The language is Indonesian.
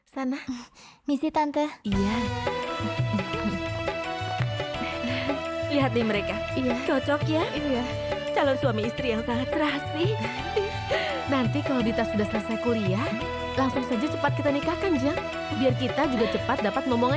sampai jumpa di video selanjutnya